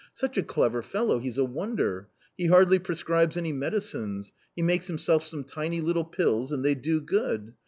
Such a clever fellow, he's a wonder ! He hardly prescribes any medicines ; he makes himself some tiny little pills .... and they do good.